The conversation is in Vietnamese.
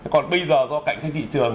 còn bây giờ do cạnh thanh thị trường